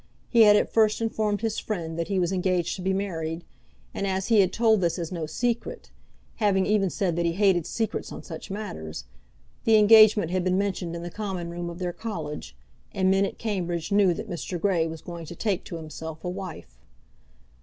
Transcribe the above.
He had at first informed his friend that he was engaged to be married, and as he had told this as no secret, having even said that he hated secrets on such matters, the engagement had been mentioned in the common room of their college, and men at Cambridge knew that Mr. Grey was going to take to himself a wife.